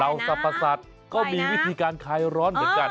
สรรพสัตว์ก็มีวิธีการคลายร้อนเหมือนกัน